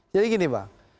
jadi gini bang